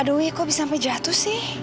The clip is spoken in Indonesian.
aduhi kok bisa sampai jatuh sih